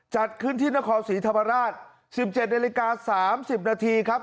จัดขึ้นที่นครศรีธรรมราช๑๗นาฬิกา๓๐นาทีครับ